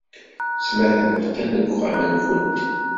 Ttmahaleɣ kan deg uxxam-nwent.